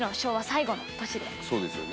伊達：そうですよね。